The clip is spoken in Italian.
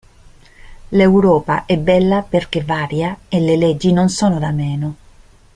L'Europa è bella perché varia e le leggi non sono da meno!